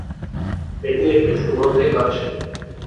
এটি একটি সুগন্ধি গাছ।